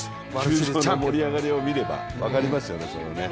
球場の盛り上がりを見ればそれが分かりますよね。